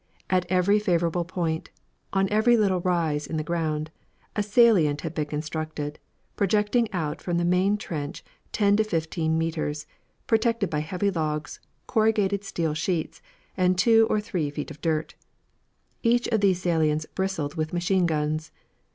At every favorable point, on every little rise in the ground, a salient had been constructed, projecting out from the main trench ten to fifteen metres, protected by heavy logs, corrugated steel sheets, and two to three feet of dirt. Each side of the salients bristled with machine guns.